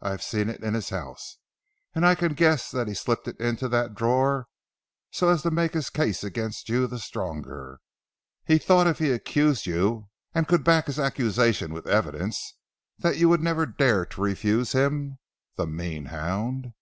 I have seen it in his house, and I can guess that he slipped it into that drawer so as to make his case against you the stronger. He thought if he accused you and could back his accusation with evidence that you would never dare to refuse him the mean hound!"